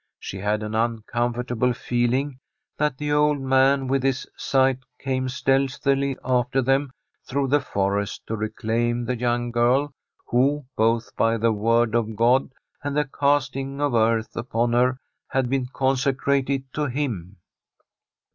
She had an uncomfortable feeling that the old man with his scythe came stealthily after them through the forest to reclaim the young g^rl who, both by the word of God and the casting of earth upon her, had been consecrated to him.